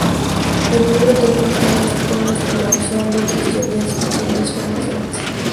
El libro termina con una exploración de otras teorías y posibles formas de avanzar.